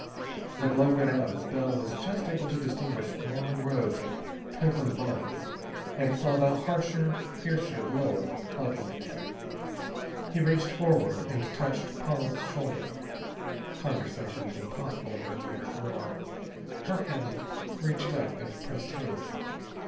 The glow went out as Bell was just able to distinguish long rows of twinkling bulbs, and he saw the harsher, fiercer glow of floodlights. He reached forward and touched Paula's shoulder. Conversation was impossible over the motor's roar. Her hand reached up and pressed his.